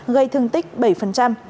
gây thương tích bảy